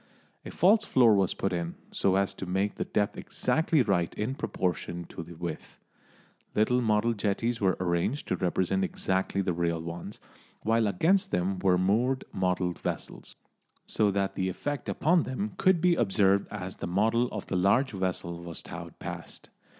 A false floor was put in, so as to make the depth exactly right in proportion to the width. Little model jetties were arranged to represent exactly the real ones, while against them were moored model vessels, so that the effect upon them could be observed as the model of the large vessel was towed past.